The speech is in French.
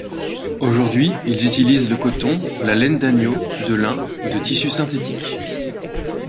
Aujourd'hui, ils utilisent le coton, la laine d'agneau, de lin ou de tissus synthétiques.